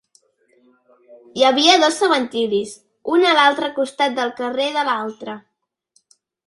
Hi havia dos cementiris, un a l'altre costat del carrer de l'altre.